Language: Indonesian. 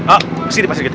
oh di sini pasti begitu